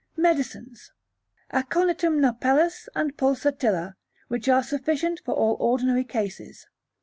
Medicines. Aconitum napellus, and Pulsatilla, which are sufficient for all ordinary cases.